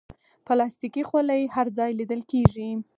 پلاستيکي خولۍ هر ځای لیدل کېږي.